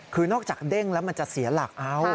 คือนอกจากเด้งแล้วมันจะเสียหลักเอา